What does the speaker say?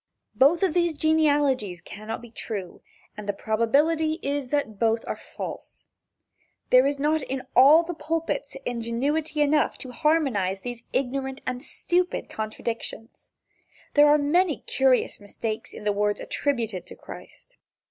Both of these genealogies cannot be true, and the probability is that both are false. There is not in all the pulpits ingenuity enough to harmonize these ignorant and stupid contradictions. There are many curious mistakes in the words attributed to Christ.